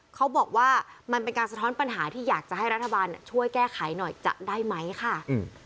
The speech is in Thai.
เขาบอกว่ามันเป็นการสะท้อนปัญหาที่อยากจะให้รัฐบาลช่วยแก้ไขหน่อยจะได้ไหมค่ะอืม